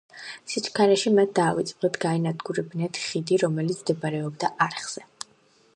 სიჩქარეში მათ დაავიწყდათ გაენადგურებინა ხიდი, რომელიც მდებარეობდა არხზე.